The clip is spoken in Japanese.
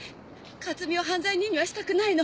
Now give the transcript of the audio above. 克巳を犯罪人にはしたくないの。